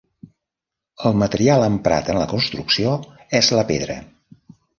El material emprat en la construcció és la pedra.